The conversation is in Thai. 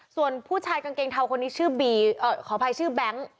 ส่วนผู้ชายกางเกงเทาคนนี้ชื่อบีขออภัยชื่อแบงค์